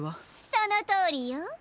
そのとおりよ。